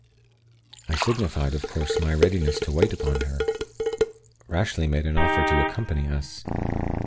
I signified, of course, my readiness to wait upon her. Rashleigh made an offer to accompany us.